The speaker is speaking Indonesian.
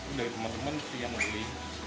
itu dari teman teman sih yang beli